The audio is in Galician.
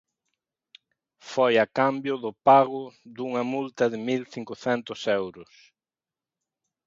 Foi a cambio do pago dunha multa de mil cincocentos euros.